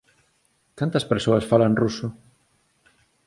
Cantas persoas falan ruso?